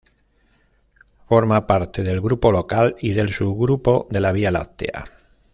Forma parte del Grupo Local y del subgrupo de la Vía Láctea.